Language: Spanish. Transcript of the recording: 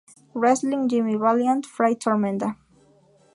Wrestling, Jimmy Valiant, Fray Tormenta.